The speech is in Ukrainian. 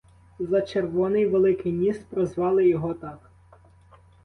За червоний великий ніс прозвали його так.